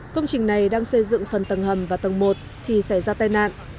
công trình này đang xây dựng phần tầng hầm và tầng một thì xảy ra tai nạn